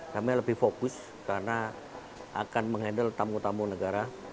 kami lebih fokus karena akan menghandle tamu tamu negara